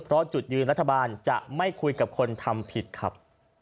เพราะจุดยืนรัฐบาลจะไม่คุยกับคนทำผิดครับ